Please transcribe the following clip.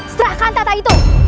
serahkan tata itu